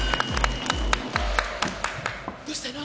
どうしたの？